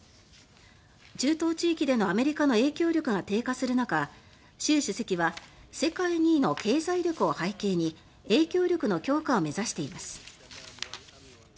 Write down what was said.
中東地域でのアメリカの影響力が低下する中習主席は世界２位の経済力を背景に影響力の強化を目指しています。